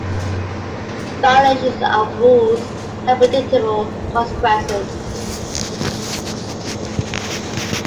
Violations of rules have predictable consequences.